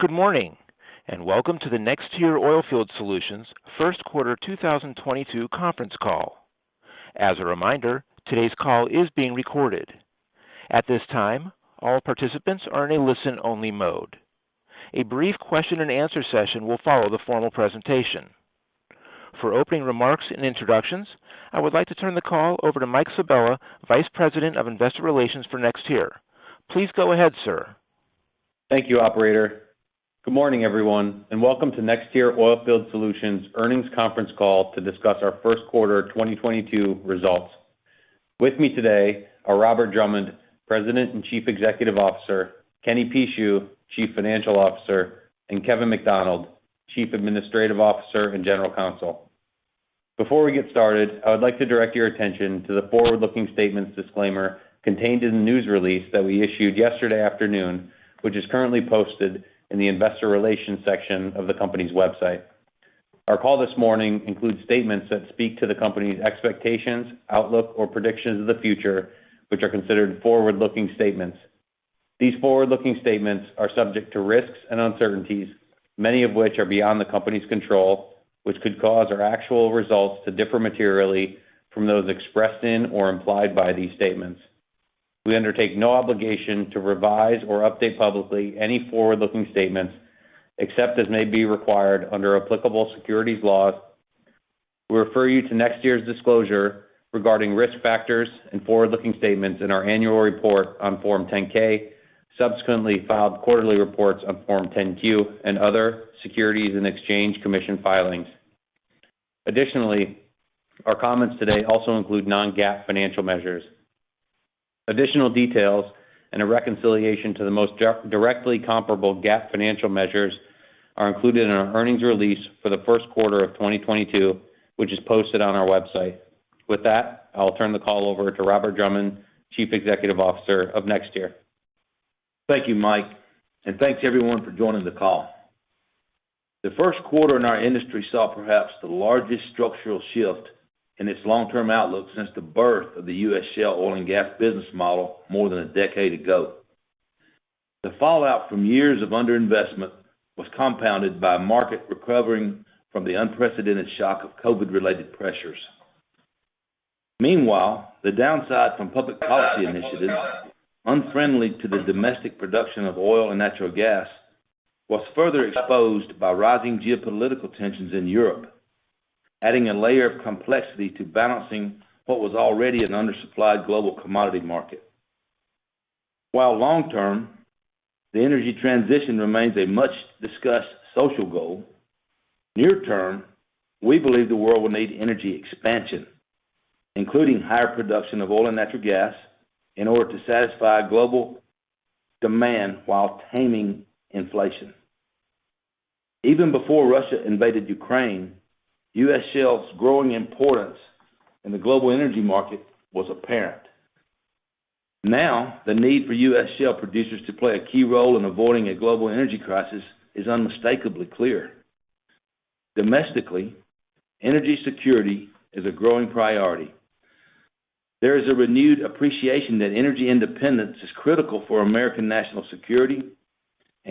Good morning, and welcome to the NexTier Oilfield Solutions first quarter 2022 conference call. As a reminder, today's call is being recorded. At this time, all participants are in a listen-only mode. A brief question and answer session will follow the formal presentation. For opening remarks and introductions, I would like to turn the call over to Mike Sabella, Vice President of Investor Relations for NexTier. Please go ahead, sir. Thank you, operator. Good morning, everyone, and welcome to NexTier Oilfield Solutions earnings conference call to discuss our first quarter 2022 results. With me today are Robert Drummond, President and Chief Executive Officer, Kenneth Pucheu, Chief Financial Officer, and Kevin McDonald, Chief Administrative Officer and General Counsel. Before we get started, I would like to direct your attention to the forward-looking statements disclaimer contained in the news release that we issued yesterday afternoon, which is currently posted in the investor relations section of the company's website. Our call this morning includes statements that speak to the company's expectations, outlook, or predictions of the future, which are considered forward-looking statements. These forward-looking statements are subject to risks and uncertainties, many of which are beyond the company's control, which could cause our actual results to differ materially from those expressed in or implied by these statements. We undertake no obligation to revise or update publicly any forward-looking statements, except as may be required under applicable securities laws. We refer you to NexTier's disclosure regarding risk factors and forward-looking statements in our annual report on Form 10-K, subsequently filed quarterly reports on Form 10-Q, and other Securities and Exchange Commission filings. Additionally, our comments today also include non-GAAP financial measures. Additional details and a reconciliation to the most directly comparable GAAP financial measures are included in our earnings release for the first quarter of 2022, which is posted on our website. With that, I'll turn the call over to Robert Drummond, Chief Executive Officer of NexTier. Thank you, Mike, and thanks everyone for joining the call. The first quarter in our industry saw perhaps the largest structural shift in its long-term outlook since the birth of the U.S. shale oil and gas business model more than a decade ago. The fallout from years of under-investment was compounded by market recovering from the unprecedented shock of COVID-related pressures. Meanwhile, the downside from public policy initiatives unfriendly to the domestic production of oil and natural gas was further exposed by rising geopolitical tensions in Europe, adding a layer of complexity to balancing what was already an undersupplied global commodity market. While long term, the energy transition remains a much-discussed social goal, near term, we believe the world will need energy expansion, including higher production of oil and natural gas, in order to satisfy global demand while taming inflation. Even before Russia invaded Ukraine, U.S. shale's growing importance in the global energy market was apparent. Now, the need for U.S. shale producers to play a key role in avoiding a global energy crisis is unmistakably clear. Domestically, energy security is a growing priority. There is a renewed appreciation that energy independence is critical for American national security,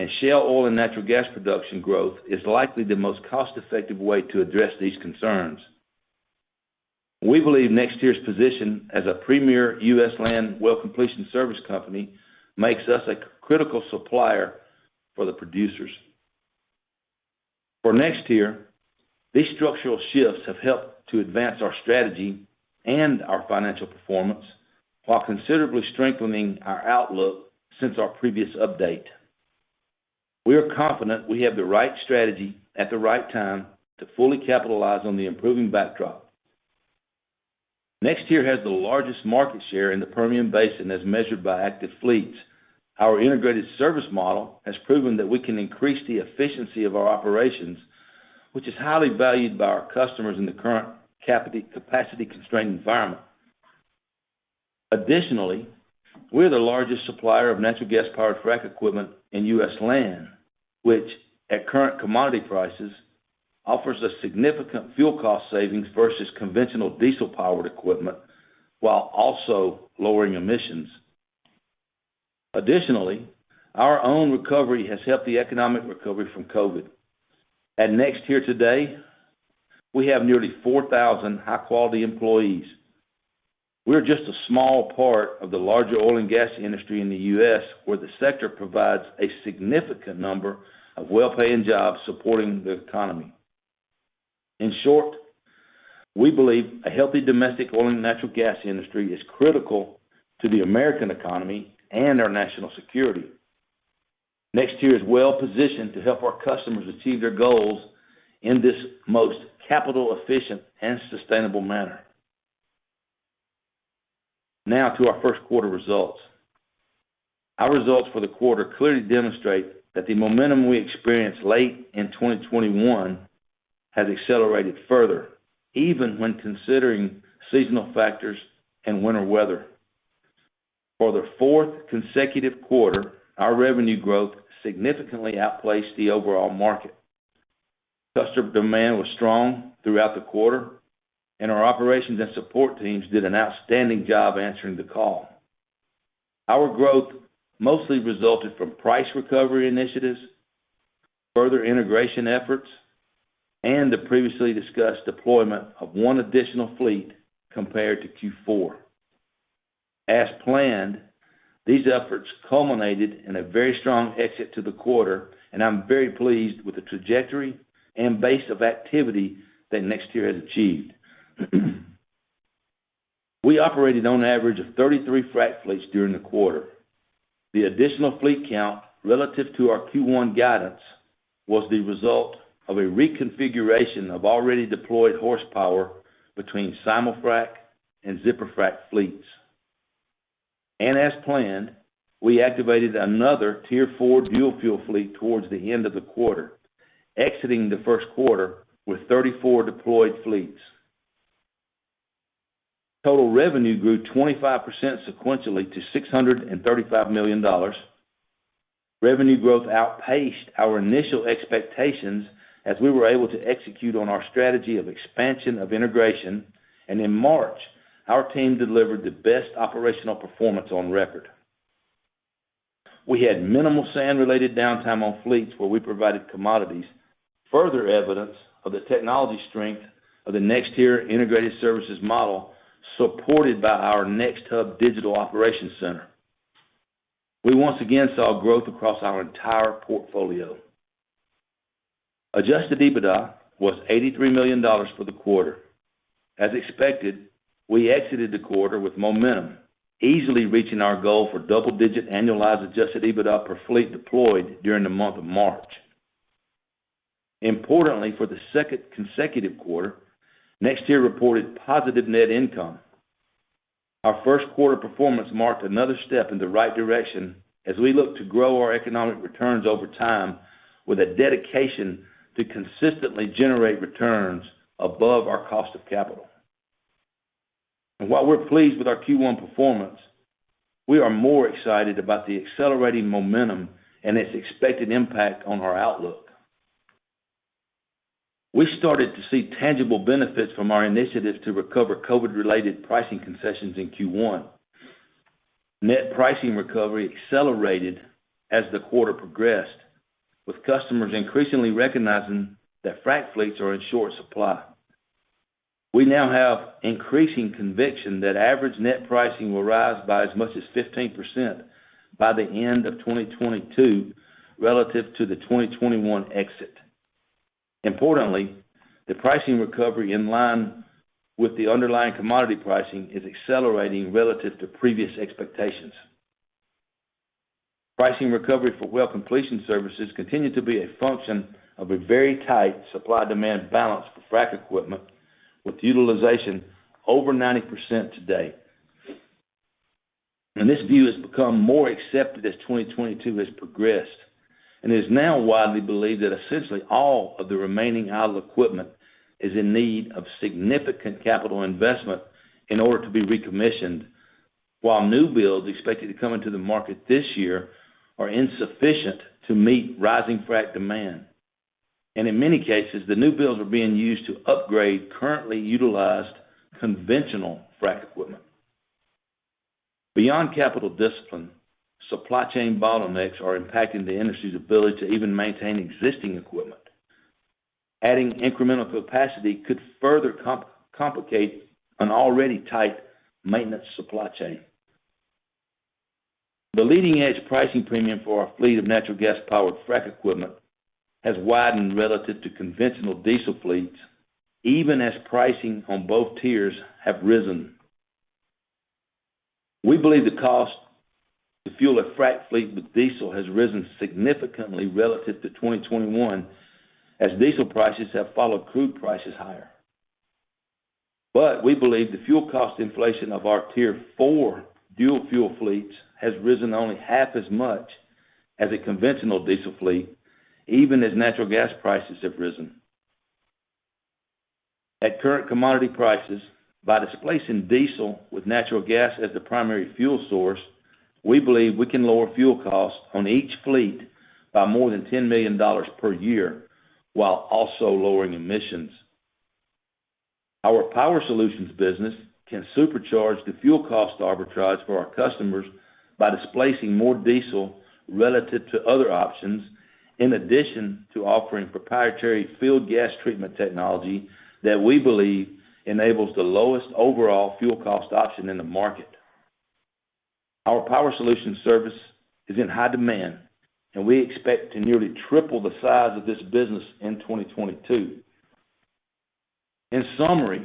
and shale oil and natural gas production growth is likely the most cost-effective way to address these concerns. We believe NexTier's position as a premier U.S. land well completion service company makes us a critical supplier for the producers. For NexTier, these structural shifts have helped to advance our strategy and our financial performance while considerably strengthening our outlook since our previous update. We are confident we have the right strategy at the right time to fully capitalize on the improving backdrop. NexTier has the largest market share in the Permian Basin as measured by active fleets. Our integrated service model has proven that we can increase the efficiency of our operations, which is highly valued by our customers in the current capacity-constrained environment. Additionally, we're the largest supplier of natural gas-powered frac equipment in U.S. land, which at current commodity prices, offers a significant fuel cost savings versus conventional diesel-powered equipment while also lowering emissions. Additionally, our own recovery has helped the economic recovery from COVID. At NexTier today, we have nearly 4,000 high-quality employees. We're just a small part of the larger oil and gas industry in the U.S., where the sector provides a significant number of well-paying jobs supporting the economy. In short, we believe a healthy domestic oil and natural gas industry is critical to the American economy and our national security. NexTier is well positioned to help our customers achieve their goals in this most capital efficient and sustainable manner. Now to our first quarter results. Our results for the quarter clearly demonstrate that the momentum we experienced late in 2021 has accelerated further, even when considering seasonal factors and winter weather. For the fourth consecutive quarter, our revenue growth significantly outpaced the overall market. Customer demand was strong throughout the quarter, and our operations and support teams did an outstanding job answering the call. Our growth mostly resulted from price recovery initiatives, further integration efforts, and the previously discussed deployment of one additional fleet compared to Q4. As planned, these efforts culminated in a very strong exit to the quarter, and I'm very pleased with the trajectory and base of activity that NexTier has achieved. We operated on average of 33 frac fleets during the quarter. The additional fleet count relative to our Q1 guidance was the result of a reconfiguration of already deployed horsepower between simulfrac and ZipperFrac fleets. As planned, we activated another Tier 4 dual fuel fleet towards the end of the quarter, exiting the first quarter with 34 deployed fleets. Total revenue grew 25% sequentially to $635 million. Revenue growth outpaced our initial expectations as we were able to execute on our strategy of expansion and integration. In March, our team delivered the best operational performance on record. We had minimal sand-related downtime on fleets where we provided commodities. Further evidence of the technology strength of the NexTier integrated services model, supported by our NexHub Digital Operations Center. We once again saw growth across our entire portfolio. Adjusted EBITDA was $83 million for the quarter. As expected, we exited the quarter with momentum, easily reaching our goal for double-digit annualized adjusted EBITDA per fleet deployed during the month of March. Importantly, for the second consecutive quarter, NexTier reported positive net income. Our first quarter performance marked another step in the right direction as we look to grow our economic returns over time with a dedication to consistently generate returns above our cost of capital. While we're pleased with our Q1 performance, we are more excited about the accelerating momentum and its expected impact on our outlook. We started to see tangible benefits from our initiatives to recover COVID-related pricing concessions in Q1. Net pricing recovery accelerated as the quarter progressed, with customers increasingly recognizing that frac fleets are in short supply. We now have increasing conviction that average net pricing will rise by as much as 15% by the end of 2022 relative to the 2021 exit. Importantly, the pricing recovery in line with the underlying commodity pricing is accelerating relative to previous expectations. Pricing recovery for well completion services continued to be a function of a very tight supply-demand balance for frac equipment with utilization over 90% today. This view has become more accepted as 2022 has progressed and is now widely believed that essentially all of the remaining idle equipment is in need of significant capital investment in order to be recommissioned, while new builds expected to come into the market this year are insufficient to meet rising frac demand. In many cases, the new builds are being used to upgrade currently utilized conventional frac equipment. Beyond capital discipline, supply chain bottlenecks are impacting the industry's ability to even maintain existing equipment. Adding incremental capacity could further complicate an already tight maintenance supply chain. The leading-edge pricing premium for our fleet of natural gas powered frac equipment has widened relative to conventional diesel fleets, even as pricing on both tiers have risen. We believe the cost to fuel a frac fleet with diesel has risen significantly relative to 2021 as diesel prices have followed crude prices higher. We believe the fuel cost inflation of our Tier 4 dual fuel fleets has risen only half as much as a conventional diesel fleet, even as natural gas prices have risen. At current commodity prices, by displacing diesel with natural gas as the primary fuel source, we believe we can lower fuel costs on each fleet by more than $10 million per year while also lowering emissions. Our Power Solutions business can supercharge the fuel cost arbitrage for our customers by displacing more diesel relative to other options, in addition to offering proprietary field gas treatment technology that we believe enables the lowest overall fuel cost option in the market. Our Power Solutions service is in high demand, and we expect to nearly triple the size of this business in 2022. In summary,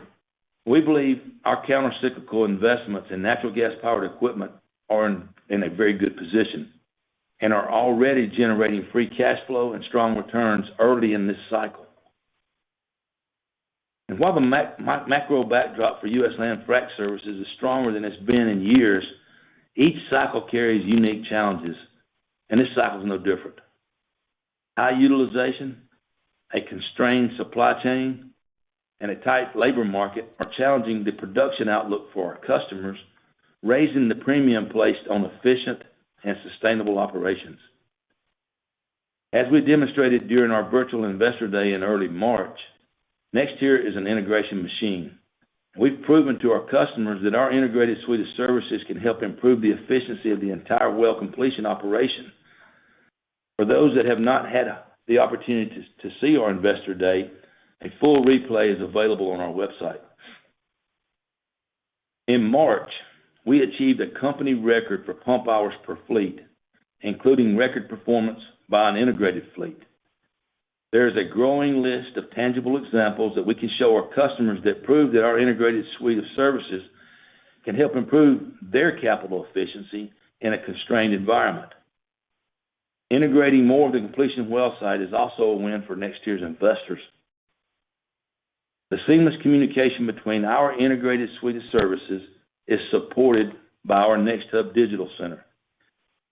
we believe our countercyclical investments in natural gas powered equipment are in a very good position and are already generating free cash flow and strong returns early in this cycle. While the macro backdrop for U.S. land frac services is stronger than it's been in years, each cycle carries unique challenges, and this cycle is no different. High utilization, a constrained supply chain and a tight labor market are challenging the production outlook for our customers, raising the premium placed on efficient and sustainable operations. As we demonstrated during our virtual Investor Day in early March, NexTier is an integration machine. We've proven to our customers that our integrated suite of services can help improve the efficiency of the entire well completion operation. For those that have not had the opportunity to see our Investor Day, a full replay is available on our website. In March, we achieved a company record for pump hours per fleet, including record performance by an integrated fleet. There is a growing list of tangible examples that we can show our customers that prove that our integrated suite of services can help improve their capital efficiency in a constrained environment. Integrating more of the completions well site is also a win for NexTier's investors. The seamless communication between our integrated suite of services is supported by our NexHub Digital Center.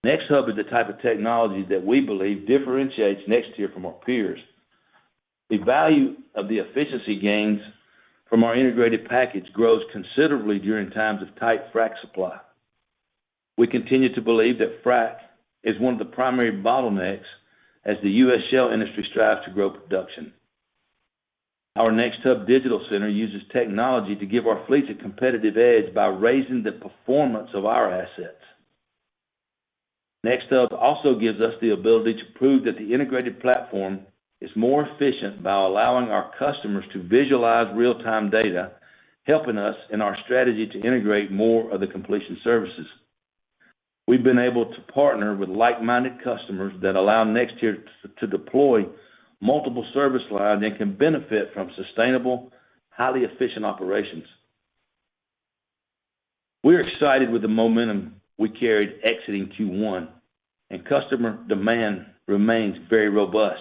NexHub is the type of technology that we believe differentiates NexTier from our peers. The value of the efficiency gains from our integrated package grows considerably during times of tight frac supply. We continue to believe that frac is one of the primary bottlenecks as the U.S. shale industry strives to grow production. Our NexHub Digital Center uses technology to give our fleet a competitive edge by raising the performance of our assets. NexHub also gives us the ability to prove that the integrated platform is more efficient by allowing our customers to visualize real-time data, helping us in our strategy to integrate more of the completion services. We've been able to partner with like-minded customers that allow NexTier to deploy multiple service lines, and they can benefit from sustainable, highly efficient operations. We're excited with the momentum we carried exiting Q1, and customer demand remains very robust.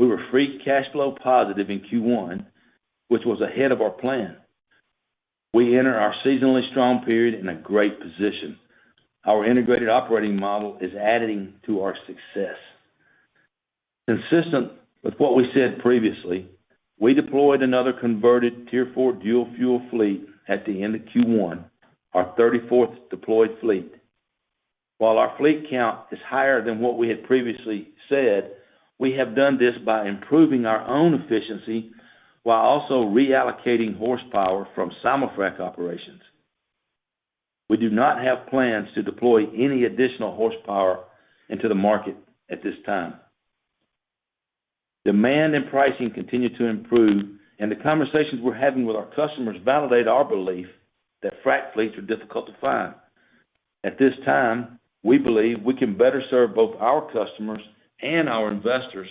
We were free cash flow positive in Q1, which was ahead of our plan. We enter our seasonally strong period in a great position. Our integrated operating model is adding to our success. Consistent with what we said previously, we deployed another converted Tier 4 dual fuel fleet at the end of Q1, our 34th deployed fleet. While our fleet count is higher than what we had previously said, we have done this by improving our own efficiency while also reallocating horsepower from simul-frac operations. We do not have plans to deploy any additional horsepower into the market at this time. Demand and pricing continue to improve, and the conversations we're having with our customers validate our belief that frac fleets are difficult to find. At this time, we believe we can better serve both our customers and our investors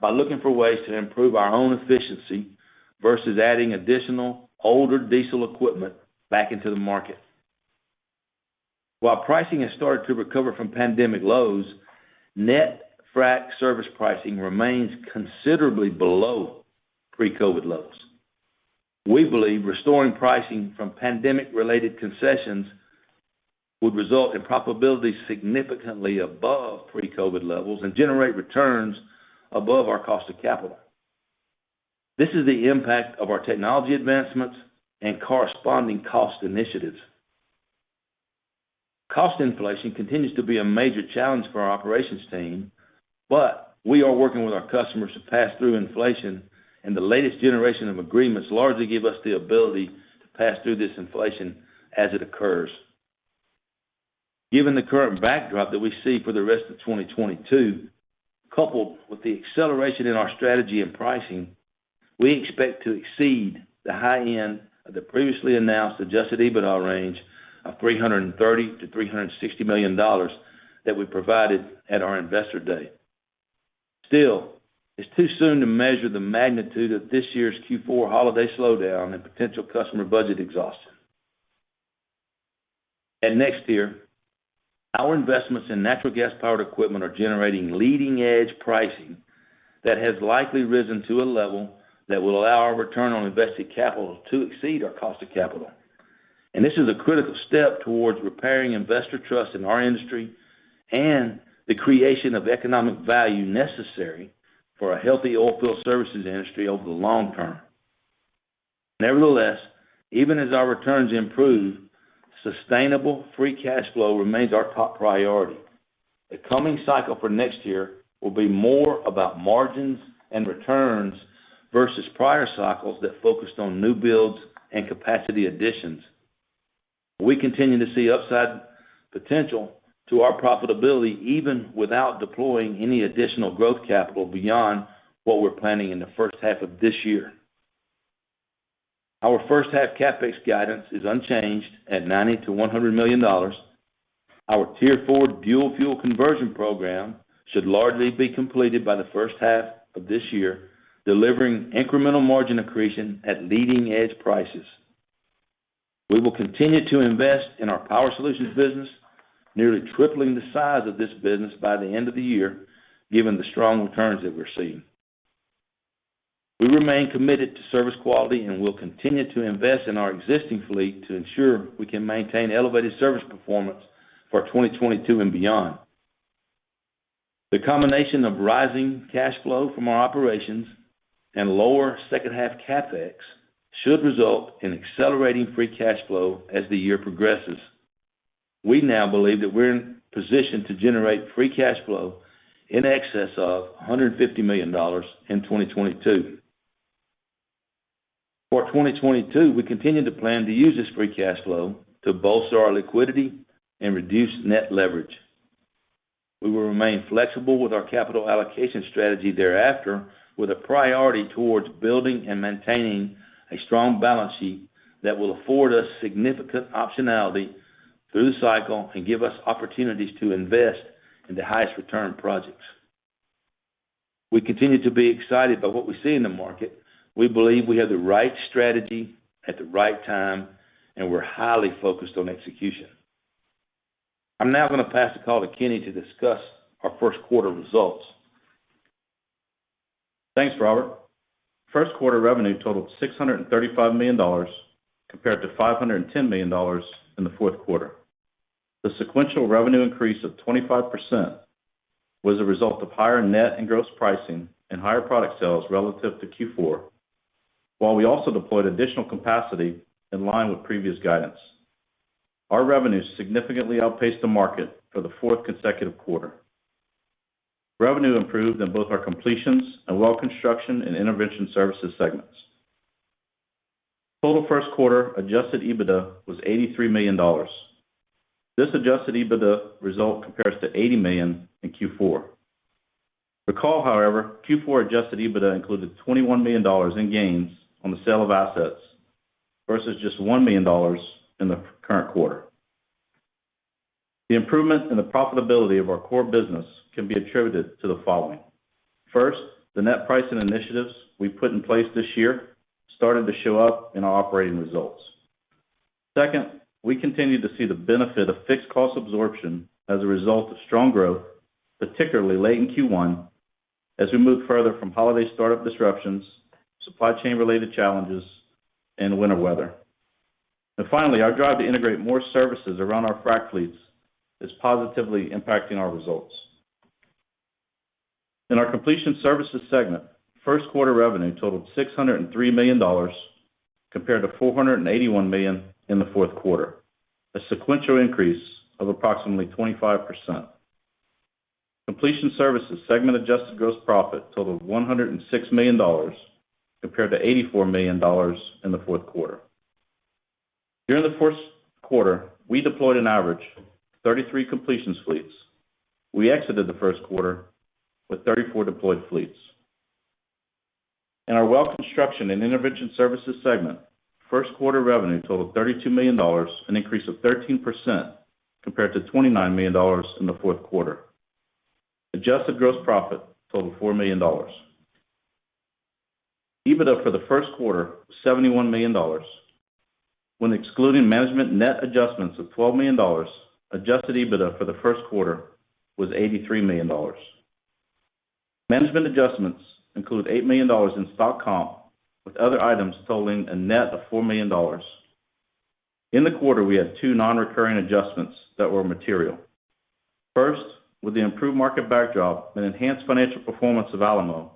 by looking for ways to improve our own efficiency versus adding additional older diesel equipment back into the market. While pricing has started to recover from pandemic lows, net frac service pricing remains considerably below pre-COVID levels. We believe restoring pricing from pandemic-related concessions would result in profitability significantly above pre-COVID levels and generate returns above our cost of capital. This is the impact of our technology advancements and corresponding cost initiatives. Cost inflation continues to be a major challenge for our operations team, but we are working with our customers to pass through inflation, and the latest generation of agreements largely give us the ability to pass through this inflation as it occurs. Given the current backdrop that we see for the rest of 2022, coupled with the acceleration in our strategy and pricing, we expect to exceed the high end of the previously announced Adjusted EBITDA range of $330 million-$360 million that we provided at our Investor Day. Still, it's too soon to measure the magnitude of this year's Q4 holiday slowdown and potential customer budget exhaustion. At NexTier, our investments in natural gas-powered equipment are generating leading-edge pricing that has likely risen to a level that will allow our return on invested capital to exceed our cost of capital. This is a critical step towards repairing investor trust in our industry and the creation of economic value necessary for a healthy oil field services industry over the long term. Nevertheless, even as our returns improve, sustainable free cash flow remains our top priority. The coming cycle for next year will be more about margins and returns versus prior cycles that focused on new builds and capacity additions. We continue to see upside potential to our profitability even without deploying any additional growth capital beyond what we're planning in the first half of this year. Our first half CapEx guidance is unchanged at $90 million-$100 million. Our Tier 4 dual fuel conversion program should largely be completed by the first half of this year, delivering incremental margin accretion at leading-edge prices. We will continue to invest in our Power Solutions business, nearly tripling the size of this business by the end of the year, given the strong returns that we're seeing. We remain committed to service quality and will continue to invest in our existing fleet to ensure we can maintain elevated service performance for 2022 and beyond. The combination of rising cash flow from our operations and lower second half CapEx should result in accelerating free cash flow as the year progresses. We now believe that we're in position to generate free cash flow in excess of $150 million in 2022. For 2022, we continue to plan to use this free cash flow to bolster our liquidity and reduce net leverage. We will remain flexible with our capital allocation strategy thereafter, with a priority towards building and maintaining a strong balance sheet that will afford us significant optionality through the cycle and give us opportunities to invest in the highest return projects. We continue to be excited by what we see in the market. We believe we have the right strategy at the right time, and we're highly focused on execution. I'm now gonna pass the call to Kenny to discuss our first quarter results. Thanks, Robert. First quarter revenue totaled $635 million, compared to $510 million in the fourth quarter. The sequential revenue increase of 25% was a result of higher net and gross pricing and higher product sales relative to Q4. While we also deployed additional capacity in line with previous guidance. Our revenues significantly outpaced the market for the fourth consecutive quarter. Revenue improved in both our completions and well construction and intervention services segments. Total first quarter Adjusted EBITDA was $83 million. This Adjusted EBITDA result compares to $80 million in Q4. Recall, however, Q4 Adjusted EBITDA included $21 million in gains on the sale of assets versus just $1 million in the current quarter. The improvement in the profitability of our core business can be attributed to the following. First, the net pricing initiatives we put in place this year started to show up in our operating results. Second, we continue to see the benefit of fixed cost absorption as a result of strong growth, particularly late in Q1, as we moved further from holiday startup disruptions, supply chain related challenges, and winter weather. Finally, our drive to integrate more services around our frac fleets is positively impacting our results. In our completion services segment, first quarter revenue totaled $603 million, compared to $481 million in the fourth quarter, a sequential increase of approximately 25%. Completion services segment adjusted gross profit totaled $106 million, compared to $84 million in the fourth quarter. During the first quarter, we deployed an average of 33 completion fleets. We exited the first quarter with 34 deployed fleets. In our well construction and intervention services segment, first quarter revenue totaled $32 million, an increase of 13% compared to $29 million in the fourth quarter. Adjusted gross profit totaled $4 million. EBITDA for the first quarter was $71 million. When excluding management net adjustments of $12 million, adjusted EBITDA for the first quarter was $83 million. Management adjustments include $8 million in stock comp, with other items totaling a net of $4 million. In the quarter, we had two non-recurring adjustments that were material. First, with the improved market backdrop and enhanced financial performance of Alamo,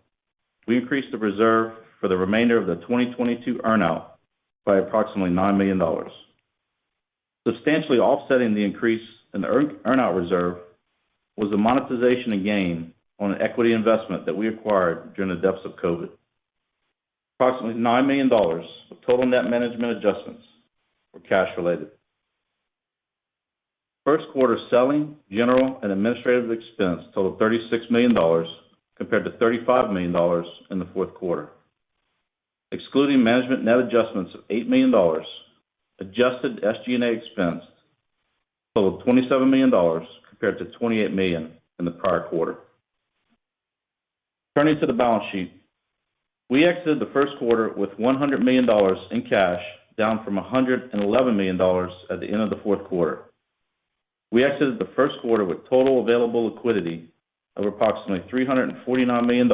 we increased the reserve for the remainder of the 2022 earn-out by approximately $9 million. Substantially offsetting the increase in the earn-out reserve was the monetization and gain on an equity investment that we acquired during the depths of COVID. Approximately $9 million of total net management adjustments were cash related. First quarter selling, general, and administrative expense totaled $36 million, compared to $35 million in the fourth quarter. Excluding management net adjustments of $8 million, adjusted SG&A expense totaled $27 million compared to $28 million in the prior quarter. Turning to the balance sheet, we exited the first quarter with $100 million in cash, down from $111 million at the end of the fourth quarter. We exited the first quarter with total available liquidity of approximately $349 million,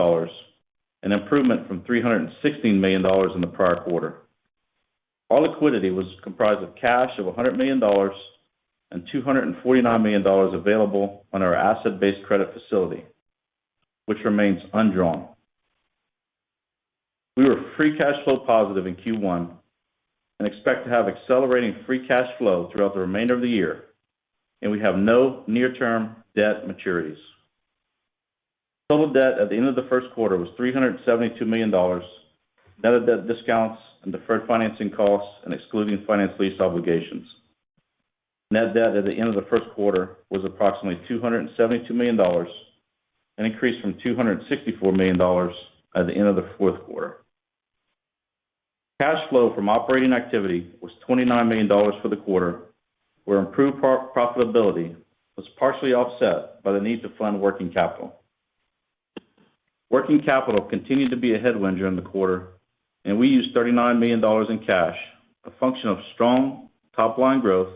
an improvement from $316 million in the prior quarter. Our liquidity was comprised of cash of $100 million and $249 million available on our asset-based credit facility, which remains undrawn. We were free cash flow positive in Q1 and expect to have accelerating free cash flow throughout the remainder of the year, and we have no near-term debt maturities. Total debt at the end of the first quarter was $372 million, net of debt discounts and deferred financing costs and excluding finance lease obligations. Net debt at the end of the first quarter was approximately $272 million, an increase from $264 million at the end of the fourth quarter. Cash flow from operating activities was $29 million for the quarter, where improved profitability was partially offset by the need to fund working capital. Working capital continued to be a headwind during the quarter, and we used $39 million in cash, a function of strong top-line growth,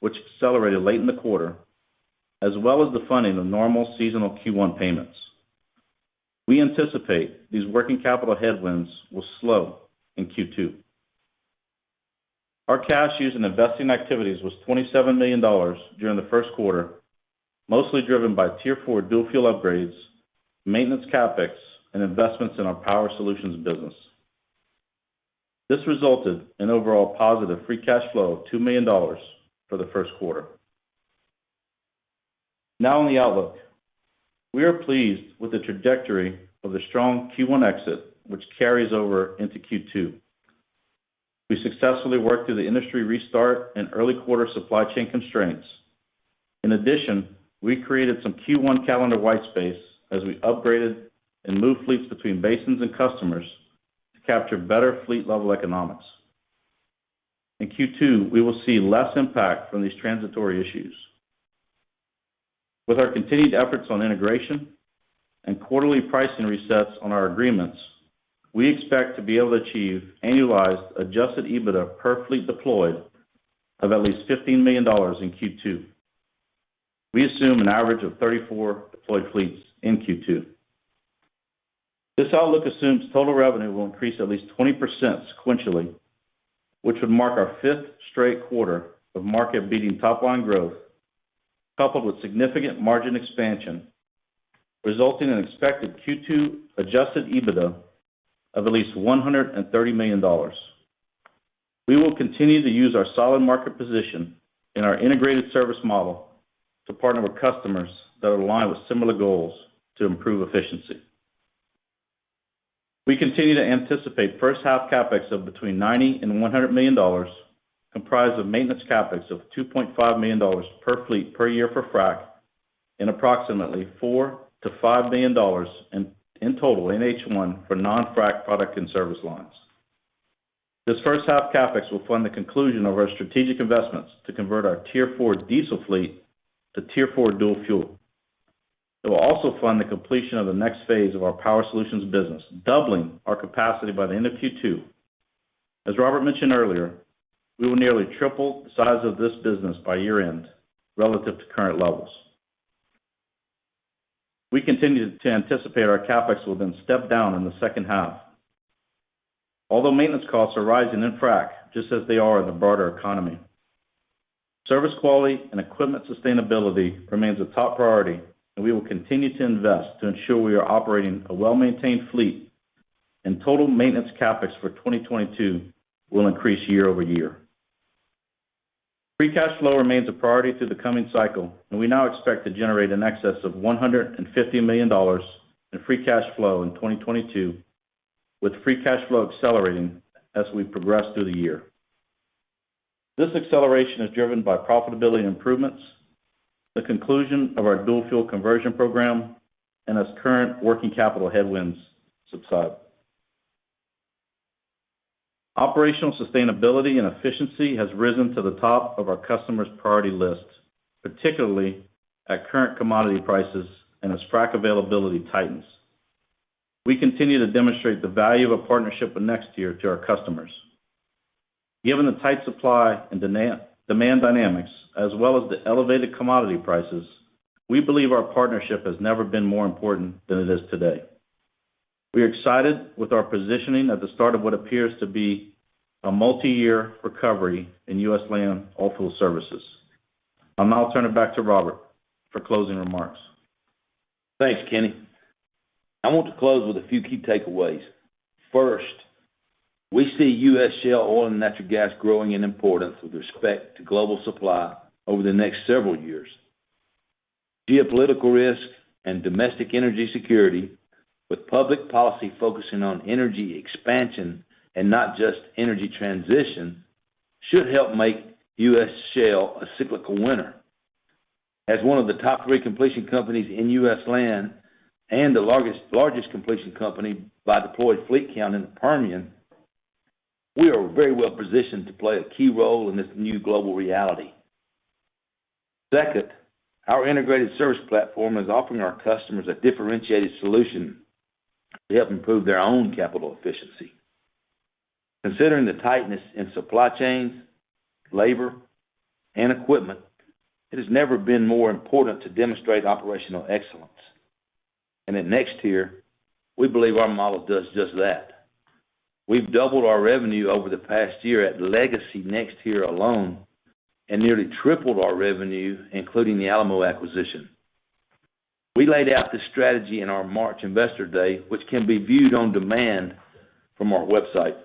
which accelerated late in the quarter, as well as the funding of normal seasonal Q1 payments. We anticipate these working capital headwinds will slow in Q2. Our cash used in investing activities was $27 million during the first quarter, mostly driven by Tier 4 dual fuel upgrades, maintenance CapEx, and investments in our Power Solutions business. This resulted in overall positive free cash flow of $2 million for the first quarter. Now on the outlook. We are pleased with the trajectory of the strong Q1 exit, which carries over into Q2. We successfully worked through the industry restart and early quarter supply chain constraints. In addition, we created some Q1 calendar white space as we upgraded and moved fleets between basins and customers to capture better fleet level economics. In Q2, we will see less impact from these transitory issues. With our continued efforts on integration and quarterly pricing resets on our agreements, we expect to be able to achieve annualized adjusted EBITDA per fleet deployed of at least $15 million in Q2. We assume an average of 34 deployed fleets in Q2. This outlook assumes total revenue will increase at least 20% sequentially, which would mark our 5th straight quarter of market-beating top line growth, coupled with significant margin expansion, resulting in expected Q2 adjusted EBITDA of at least $130 million. We will continue to use our solid market position and our integrated service model to partner with customers that align with similar goals to improve efficiency. We continue to anticipate first half CapEx of between $90 million and $100 million, comprised of maintenance CapEx of $2.5 million per fleet per year for frac and approximately $4 million-$5 million in total in H1 for non-frac product and service lines. This first half CapEx will fund the conclusion of our strategic investments to convert our Tier 4 diesel fleet to Tier 4 dual fuel. It will also fund the completion of the next phase of our Power Solutions business, doubling our capacity by the end of Q2. As Robert mentioned earlier, we will nearly triple the size of this business by year-end relative to current levels. We continue to anticipate our CapEx will then step down in the second half. Although maintenance costs are rising in frac, just as they are in the broader economy, service quality and equipment sustainability remains a top priority, and we will continue to invest to ensure we are operating a well-maintained fleet. Total maintenance CapEx for 2022 will increase year over year. Free cash flow remains a priority through the coming cycle, and we now expect to generate in excess of $150 million in free cash flow in 2022, with free cash flow accelerating as we progress through the year. This acceleration is driven by profitability improvements, the conclusion of our dual fuel conversion program, and as current working capital headwinds subside. Operational sustainability and efficiency has risen to the top of our customers' priority lists, particularly at current commodity prices and as frac availability tightens. We continue to demonstrate the value of a partnership with NexTier to our customers. Given the tight supply and demand dynamics as well as the elevated commodity prices, we believe our partnership has never been more important than it is today. We are excited with our positioning at the start of what appears to be a multi-year recovery in U.S. land oilfield services. I'll now turn it back to Robert for closing remarks. Thanks, Kenny. I want to close with a few key takeaways. First, we see U.S. shale oil and natural gas growing in importance with respect to global supply over the next several years. Geopolitical risk and domestic energy security, with public policy focusing on energy expansion and not just energy transition, should help make U.S. shale a cyclical winner. As one of the top three completion companies in U.S. land and the largest completion company by deployed fleet count in the Permian, we are very well positioned to play a key role in this new global reality. Second, our integrated service platform is offering our customers a differentiated solution to help improve their own capital efficiency. Considering the tightness in supply chains, labor, and equipment, it has never been more important to demonstrate operational excellence. At NexTier, we believe our model does just that. We've doubled our revenue over the past year at legacy NexTier alone and nearly tripled our revenue, including the Alamo acquisition. We laid out this strategy in our March Investor Day, which can be viewed on demand from our website.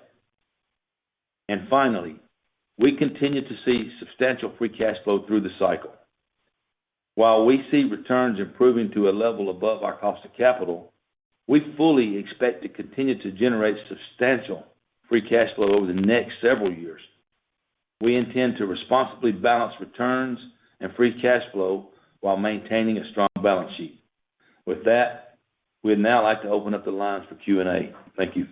Finally, we continue to see substantial free cash flow through the cycle. While we see returns improving to a level above our cost of capital, we fully expect to continue to generate substantial free cash flow over the next several years. We intend to responsibly balance returns and free cash flow while maintaining a strong balance sheet. With that, we'd now like to open up the lines for Q&A. Thank you.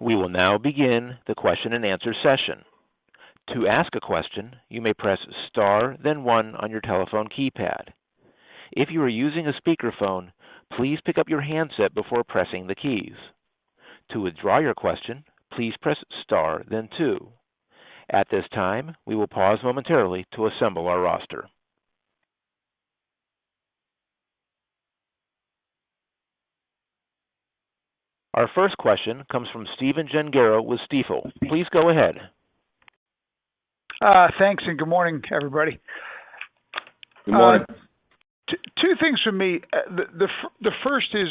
We will now begin the question-and-answer session. To ask a question, you may press star then one on your telephone keypad. If you are using a speakerphone, please pick up your handset before pressing the keys. To withdraw your question, please press star then two. At this time, we will pause momentarily to assemble our roster. Our first question comes from Stephen Gengaro with Stifel. Please go ahead. Thanks, good morning to everybody. Good morning. Two things for me. The first is,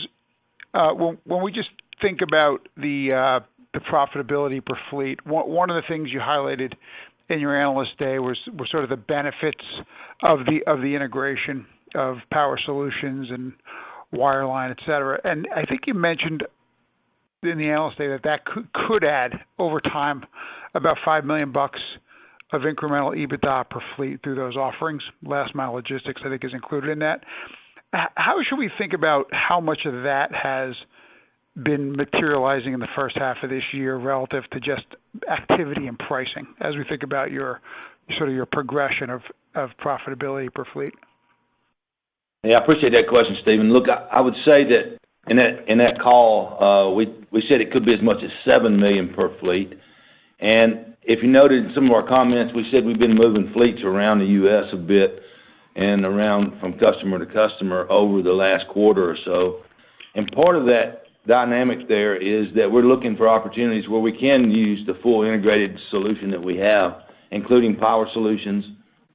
when we just think about the profitability per fleet, one of the things you highlighted in your Analyst Day was sort of the benefits of the integration of Power Solutions and wireline, et cetera. I think you mentioned in the Analyst Day that that could add over time about $5 million of incremental EBITDA per fleet through those offerings. Last mile logistics, I think, is included in that. How should we think about how much of that has been materializing in the first half of this year relative to just activity and pricing as we think about your sort of your progression of profitability per fleet? Yeah, I appreciate that question, Stephen. Look, I would say that in that call, we said it could be as much as $7 million per fleet. If you noted in some of our comments, we said we've been moving fleets around the U.S. a bit and around from customer to customer over the last quarter or so. Part of that dynamic there is that we're looking for opportunities where we can use the full integrated solution that we have, including Power Solutions,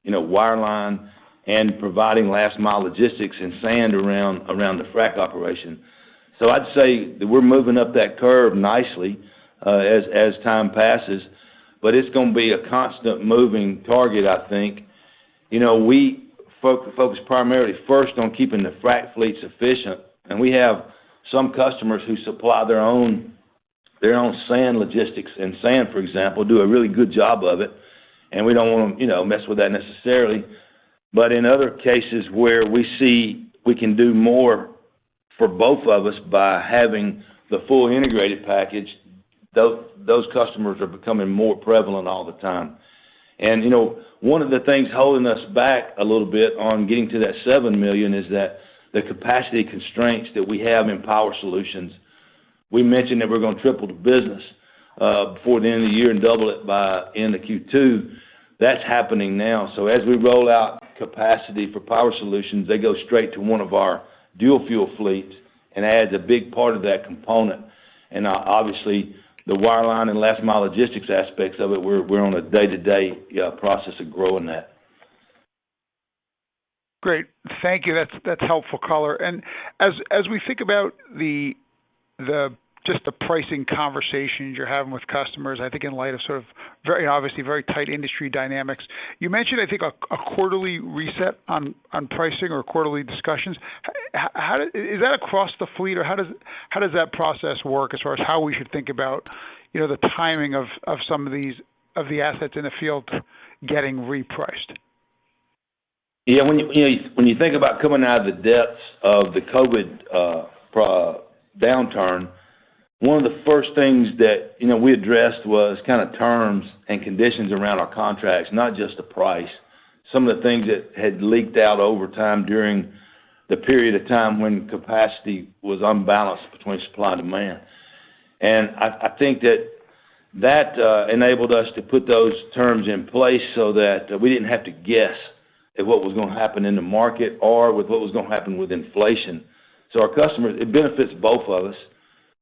you know, wireline, and providing last mile logistics and sand around the frac operation. I'd say that we're moving up that curve nicely, as time passes, but it's gonna be a constant moving target, I think. You know, we focus primarily first on keeping the frac fleets efficient, and we have some customers who supply their own sand logistics. Sand, for example, does a really good job of it, and we don't wanna, you know, mess with that necessarily. In other cases where we see we can do more for both of us by having the full integrated package, those customers are becoming more prevalent all the time. You know, one of the things holding us back a little bit on getting to that $7 million is that the capacity constraints that we have in Power Solutions. We mentioned that we're gonna triple the business before the end of the year and double it by end of Q2. That's happening now. As we roll out capacity for Power Solutions, they go straight to one of our dual fuel fleets and adds a big part of that component. Obviously, the wireline and last mile logistics aspects of it, we're on a day-to-day process of growing that. Great. Thank you. That's helpful color. As we think about just the pricing conversations you're having with customers, I think in light of sort of very obviously very tight industry dynamics. You mentioned, I think, a quarterly reset on pricing or quarterly discussions. How is that across the fleet, or how does that process work as far as how we should think about, you know, the timing of some of these assets in the field getting repriced? Yeah. When you think about coming out of the depths of the COVID downturn, one of the first things that, you know, we addressed was kinda terms and conditions around our contracts, not just the price. Some of the things that had leaked out over time during the period of time when capacity was unbalanced between supply and demand. I think that enabled us to put those terms in place so that we didn't have to guess at what was gonna happen in the market or with what was gonna happen with inflation. So our customers. It benefits both of us.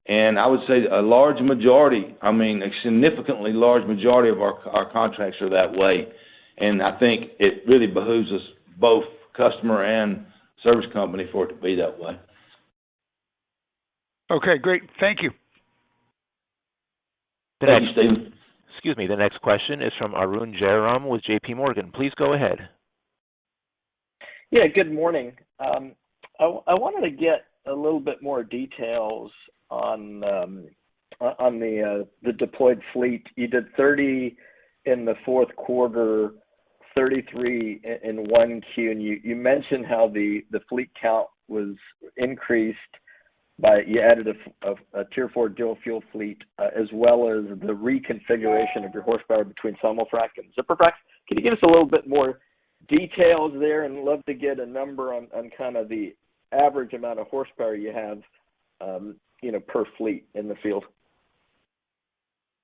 I would say a large majority, I mean, a significantly large majority of our contracts are that way, and I think it really behooves us, both customer and service company for it to be that way. Okay, great. Thank you. Thanks, Stephen. Excuse me. The next question is from Arun Jayaram with JP Morgan. Please go ahead. Yeah, good morning. I wanted to get a little bit more details on the deployed fleet. You did 30 in the fourth quarter, 33 in 1Q. You mentioned how the fleet count was increased by you added a Tier 4 dual fuel fleet, as well as the reconfiguration of your horsepower between simulfrac and ZipperFrac. Can you give us a little bit more details there? Love to get a number on kind of the average amount of horsepower you have, you know, per fleet in the field.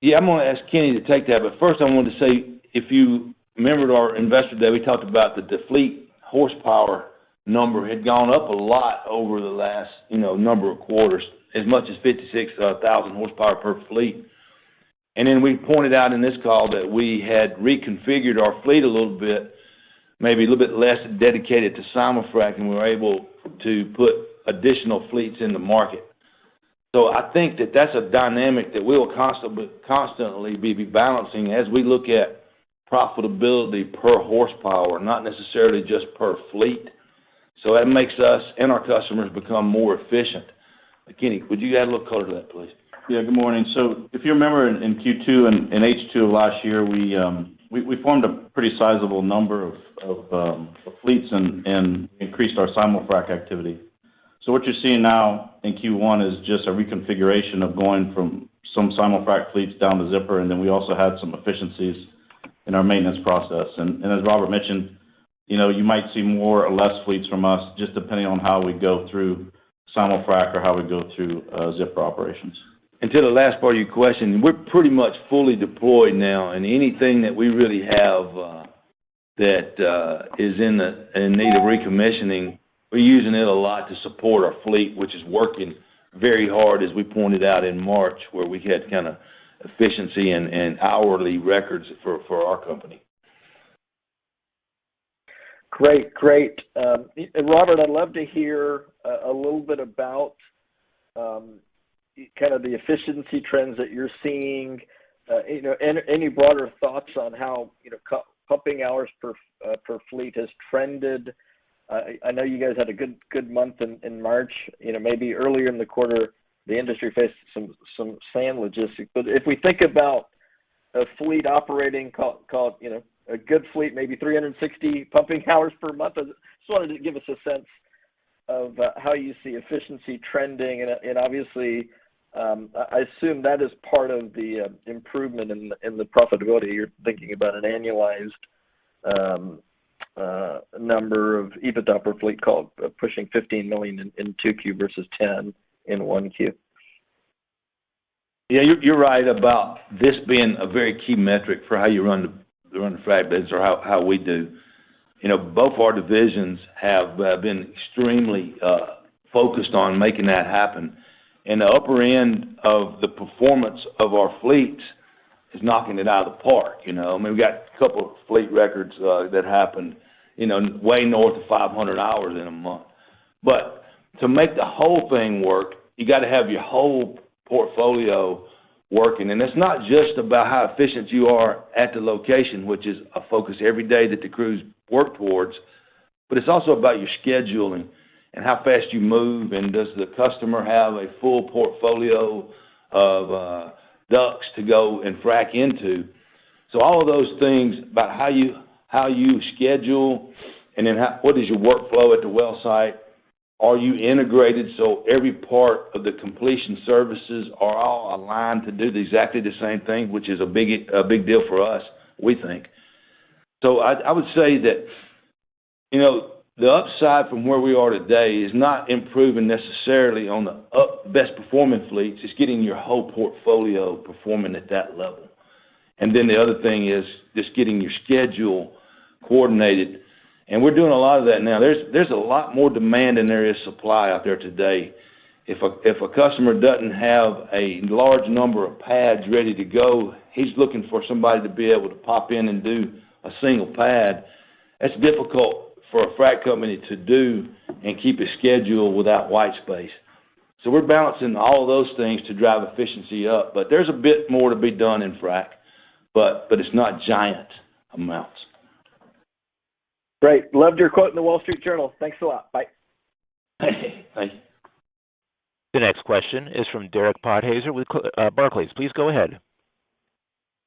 Yeah. I'm gonna ask Kenny to take that. First, I want to say, if you remembered our Investor Day, we talked about that the fleet horsepower number had gone up a lot over the last, you know, number of quarters, as much as 56,000 hp per fleet. Then we pointed out in this call that we had reconfigured our fleet a little bit, maybe a little bit less dedicated to simulfrac, and we're able to put additional fleets in the market. I think that that's a dynamic that we'll constantly be rebalancing as we look at profitability per horsepower, not necessarily just per fleet. That makes us and our customers become more efficient. Kenny, would you add a little color to that, please? Yeah, good morning. If you remember in Q2 and H2 of last year, we formed a pretty sizable number of fleets and increased our simulfrac activity. What you're seeing now in Q1 is just a reconfiguration of going from some simulfrac fleets down to zipper, and then we also had some efficiencies in our maintenance process. As Robert mentioned, you know, you might see more or less fleets from us, just depending on how we go through simulfrac or how we go through zipper operations. To the last part of your question, we're pretty much fully deployed now, and anything that we really have is in need of recommissioning. We're using it a lot to support our fleet, which is working very hard, as we pointed out in March, where we had kinda efficiency and hourly records for our company. Great. Robert, I'd love to hear a little bit about kind of the efficiency trends that you're seeing. You know, any broader thoughts on how, you know, co-pumping hours per fleet has trended. I know you guys had a good month in March. You know, maybe earlier in the quarter, the industry faced some sand logistics. But if we think about a fleet operating, call it, you know, a good fleet, maybe 360 pumping hours per month. I just wanted to give us a sense of how you see efficiency trending. Obviously, I assume that is part of the improvement in the profitability. You're thinking about an annualized number of EBITDA per fleet called pushing $15 million in 2Q versus $10 million in 1Q. Yeah, you're right about this being a very key metric for how you run the frac fleets or how we do. You know, both our divisions have been extremely focused on making that happen. The upper end of the performance of our fleets is knocking it out of the park. You know? I mean, we've got a couple of fleet records that happened, you know, way north of 500 hours in a month. To make the whole thing work, you gotta have your whole portfolio working. It's not just about how efficient you are at the location, which is a focus every day that the crews work towards, but it's also about your scheduling and how fast you move, and does the customer have a full portfolio of DUCs to go and frack into. All of those things about how you schedule, and then what is your workflow at the well site? Are you integrated so every part of the completion services are all aligned to do exactly the same thing, which is a big deal for us, we think. I would say that, you know, the upside from where we are today is not improving necessarily on the best performance fleets. It's getting your whole portfolio performing at that level. Then the other thing is just getting your schedule coordinated, and we're doing a lot of that now. There's a lot more demand than there is supply out there today. If a customer doesn't have a large number of pads ready to go, he's looking for somebody to be able to pop in and do a single pad. That's difficult for a frac company to do and keep a schedule without white space. We're balancing all of those things to drive efficiency up. There's a bit more to be done in frac, but it's not giant amounts. Great. Loved your quote in The Wall Street Journal. Thanks a lot. Bye. Thank you. Bye. The next question is from Derek Podhaizer with Barclays. Please go ahead.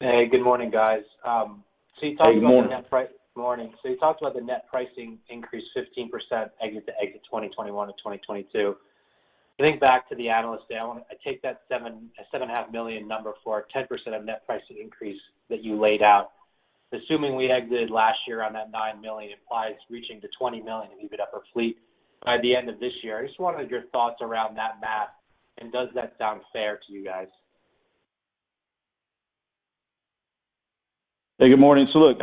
Hey, good morning, guys. You talked about. Good morning. Good morning. You talked about the net pricing increase 15% exit to exit 2021 to 2022. Getting back to the Analyst Day, I take that $7 million-$7.5 million number for a 10% net pricing increase that you laid out. Assuming we exited last year on that $9 million implies reaching to $20 million in EBITDA per fleet by the end of this year. I just wondered your thoughts around that math, and does that sound fair to you guys? Hey, good morning. Look,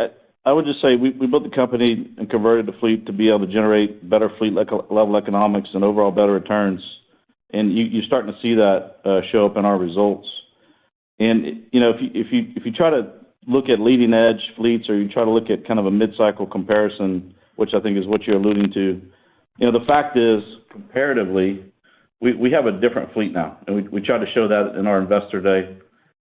I would just say we built the company and converted the fleet to be able to generate better fleet level economics and overall better returns. You're starting to see that show up in our results. You know, if you try to look at leading-edge fleets or you try to look at kind of a mid-cycle comparison, which I think is what you're alluding to, you know, the fact is, comparatively, we have a different fleet now, and we tried to show that in our Investor Day.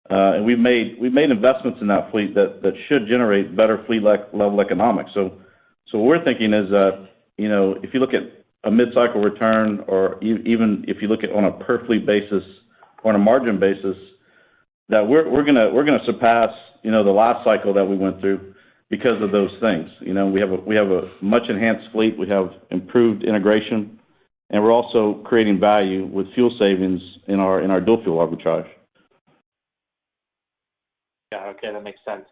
We've made investments in that fleet that should generate better fleet level economics. What we're thinking is that, you know, if you look at a mid-cycle return or even if you look at on a per fleet basis, on a margin basis, that we're gonna surpass, you know, the last cycle that we went through because of those things. You know, we have a much enhanced fleet. We have improved integration, and we're also creating value with fuel savings in our dual fuel arbitrage. Yeah. Okay, that makes sense.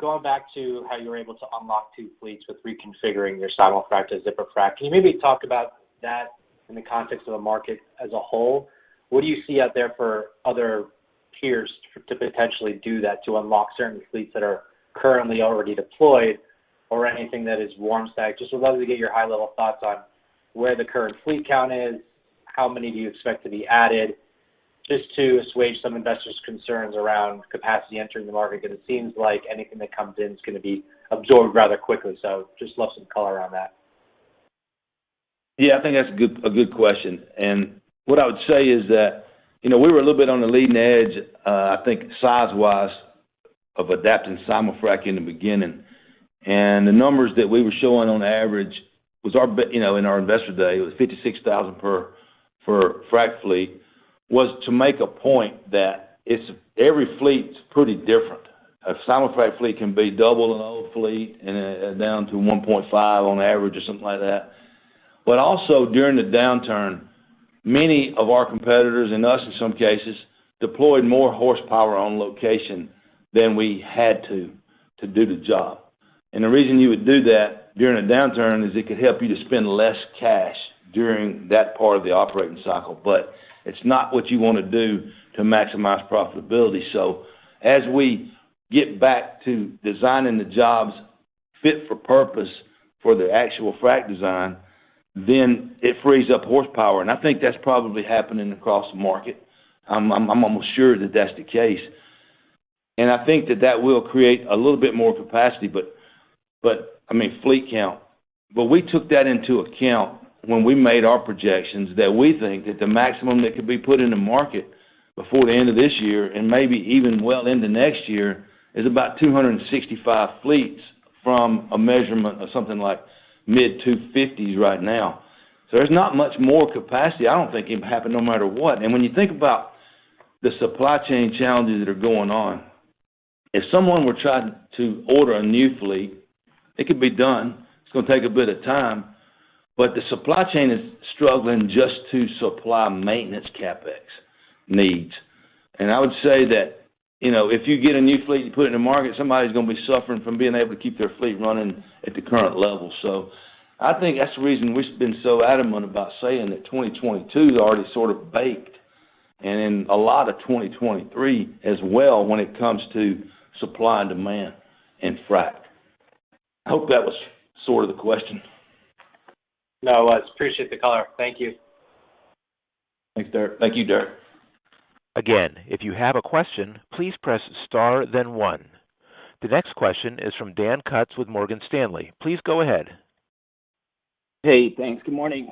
Going back to how you were able to unlock two fleets with reconfiguring your simulfrac to ZipperFrac, can you maybe talk about that in the context of the market as a whole? What do you see out there for other peers to potentially do that, to unlock certain fleets that are currently already deployed or anything that is warm stacked? Just would love to get your high-level thoughts on where the current fleet count is, how many do you expect to be added, just to assuage some investors' concerns around capacity entering the market because it seems like anything that comes in is gonna be absorbed rather quickly. Just love some color on that. Yeah, I think that's a good question. What I would say is that, you know, we were a little bit on the leading edge, I think size-wise of adapting simulfrac in the beginning. The numbers that we were showing on average was you know, in our Investor Day, it was $56,000 per frac fleet, was to make a point that it's every fleet's pretty different. A simulfrac fleet can be double an old fleet and down to 1.5% on average or something like that. Also during the downturn, many of our competitors, and us in some cases, deployed more horsepower on location than we had to do the job. The reason you would do that during a downturn is it could help you to spend less cash during that part of the operating cycle. It's not what you wanna do to maximize profitability. As we get back to designing the jobs fit for purpose for the actual frac design, then it frees up horsepower. I think that's probably happening across the market. I'm almost sure that that's the case. I think that will create a little bit more capacity. I mean, fleet count. We took that into account when we made our projections that we think that the maximum that could be put in the market before the end of this year and maybe even well into next year is about 265 fleets from a measurement of something like mid-250s right now. There's not much more capacity, I don't think it'll happen no matter what. When you think about the supply chain challenges that are going on, if someone were trying to order a new fleet, it could be done. It's gonna take a bit of time, but the supply chain is struggling just to supply maintenance CapEx needs. I would say that, you know, if you get a new fleet, you put it in the market, somebody's gonna be suffering from being able to keep their fleet running at the current level. I think that's the reason we've been so adamant about saying that 2022 is already sort of baked and in a lot of 2023 as well when it comes to supply and demand in frac. I hope that was sort of the question. No, I appreciate the color. Thank you. Thanks, Derek. Thank you, Derek. Again, if you have a question, please press star then one. The next question is from Dan Kutz with Morgan Stanley. Please go ahead. Hey, thanks. Good morning.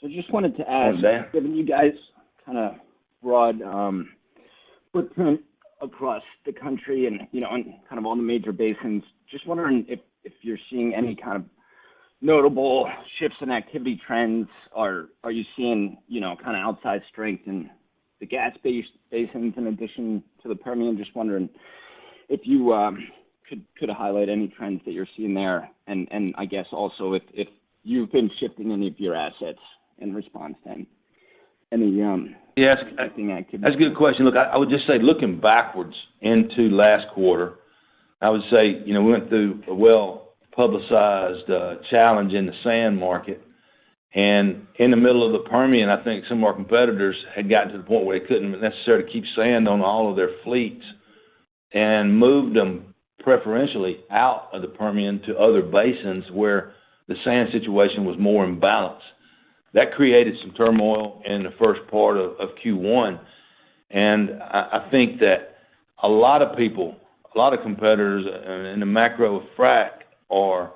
Just wanted to ask- Hi, Dan. Given you guys kind of broad footprint across the country and, you know, on kind of all the major basins. Just wondering if you're seeing any kind of notable shifts in activity trends or are you seeing, you know, kind of outsized strength in the gas basins in addition to the Permian? Just wondering if you could highlight any trends that you're seeing there and I guess also if you've been shifting any of your assets in response to any. Yeah. -activity. That's a good question. Look, I would just say looking backwards into last quarter, I would say, you know, we went through a well-publicized challenge in the sand market, and in the middle of the Permian, I think some of our competitors had gotten to the point where they couldn't necessarily keep sand on all of their fleets and moved them preferentially out of the Permian to other basins where the sand situation was more in balance. That created some turmoil in the first part of Q1. I think that a lot of people, a lot of competitors in the frac market are,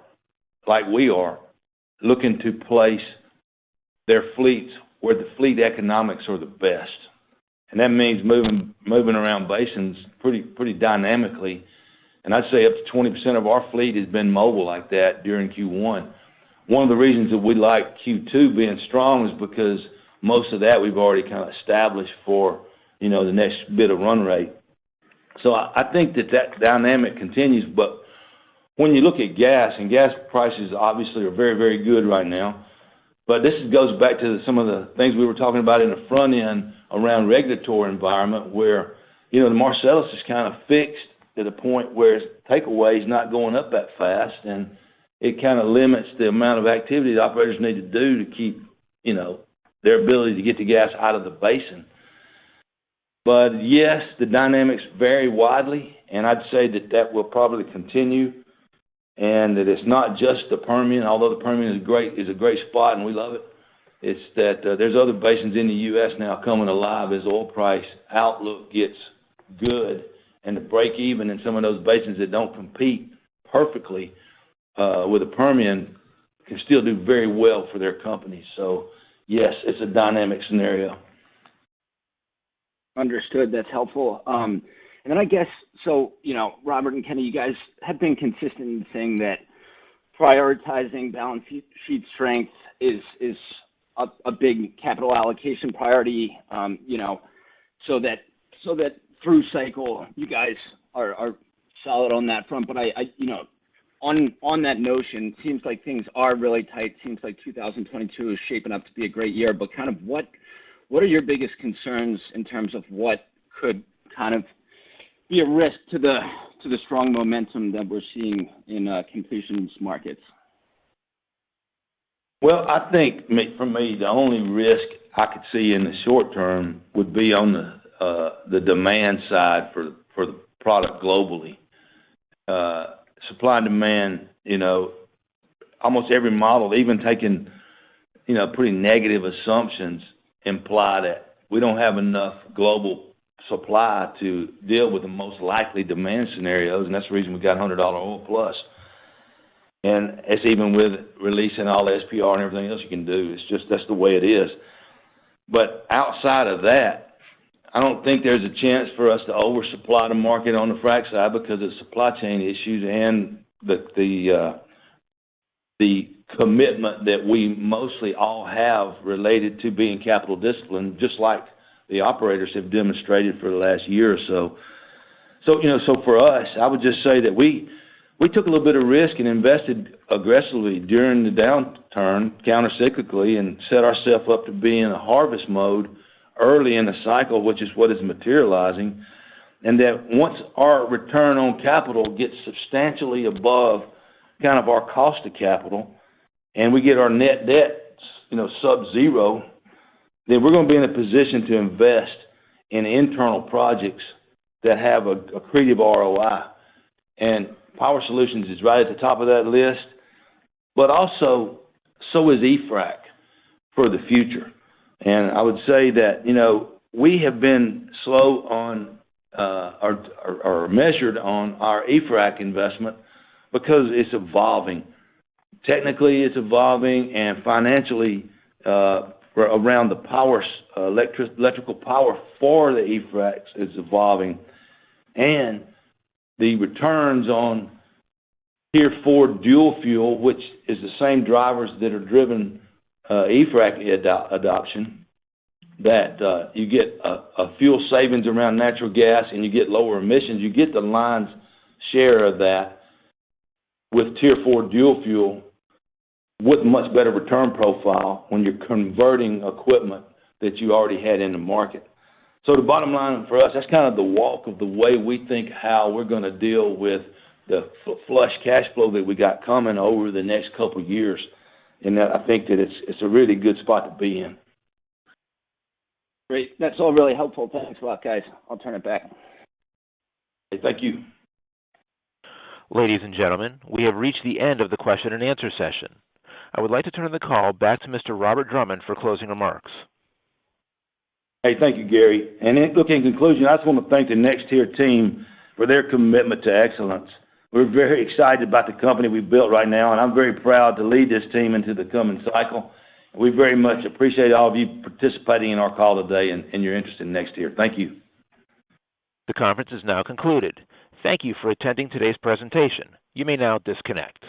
like we are, looking to place their fleets where the fleet economics are the best. That means moving around basins pretty dynamically. I'd say up to 20% of our fleet has been mobile like that during Q1. One of the reasons that we like Q2 being strong is because most of that we've already kind of established for, you know, the next bit of run rate. I think that dynamic continues. When you look at gas, and gas prices obviously are very, very good right now, but this goes back to some of the things we were talking about in the front end around regulatory environment where, you know, the Marcellus is kind of fixed to the point where its takeaway is not going up that fast, and it kind of limits the amount of activity the operators need to do to keep, you know, their ability to get the gas out of the basin. Yes, the dynamics vary widely, and I'd say that will probably continue, and that it's not just the Permian, although the Permian is great. It's a great spot, and we love it. It's that, there's other basins in the U.S. now coming alive as oil price outlook gets good. The breakeven in some of those basins that don't compete perfectly, with the Permian can still do very well for their company. Yes, it's a dynamic scenario. Understood. That's helpful. I guess, you know, Robert and Kenny, you guys have been consistent in saying that prioritizing balance sheet strength is a big capital allocation priority, you know, so that through cycle, you guys are solid on that front. You know, on that notion, seems like things are really tight. Seems like 2022 is shaping up to be a great year. Kind of what are your biggest concerns in terms of what could kind of be a risk to the strong momentum that we're seeing in completions markets? Well, I think for me, the only risk I could see in the short term would be on the demand side for the product globally. Supply and demand, you know, almost every model, even taking, you know, pretty negative assumptions, imply that we don't have enough global supply to deal with the most likely demand scenarios, and that's the reason we've got $100+ oil. It's even with releasing all the SPR and everything else you can do, it's just that's the way it is. Outside of that, I don't think there's a chance for us to oversupply the market on the frac side because of supply chain issues and the commitment that we mostly all have related to being capital disciplined, just like the operators have demonstrated for the last year or so. You know, so for us, I would just say that we took a little bit of risk and invested aggressively during the downturn countercyclically and set ourselves up to be in a harvest mode early in the cycle, which is what is materializing. That once our return on capital gets substantially above kind of our cost of capital, and we get our net debt, you know, sub zero. Then we're gonna be in a position to invest in internal projects that have accretive ROI. Power Solutions is right at the top of that list, but also so is eFrac for the future. I would say that, you know, we have been slow on measured on our eFrac investment because it's evolving. Technically, it's evolving and financially around the electrical power for the eFracs is evolving. The returns on Tier 4 dual fuel, which is the same drivers that are driving eFrac adoption, that you get a fuel savings around natural gas, and you get lower emissions. You get the lion's share of that with Tier 4 dual fuel with much better return profile when you're converting equipment that you already had in the market. The bottom line for us, that's kind of the walk of the way we think how we're gonna deal with the flush cash flow that we got coming over the next couple years. I think that it's a really good spot to be in. Great. That's all really helpful. Thanks a lot, guys. I'll turn it back. Thank you. Ladies and gentlemen, we have reached the end of the question and answer session. I would like to turn the call back to Mr. Robert Drummond for closing remarks. Hey, thank you, Gary. Look, in conclusion, I just wanna thank the NexTier team for their commitment to excellence. We're very excited about the company we've built right now, and I'm very proud to lead this team into the coming cycle. We very much appreciate all of you participating in our call today and your interest in NexTier. Thank you. The conference is now concluded. Thank you for attending today's presentation. You may now disconnect.